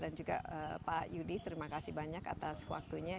dan juga pak yudi terima kasih banyak atas waktunya